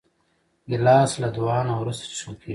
ګیلاس له دعا نه وروسته څښل کېږي.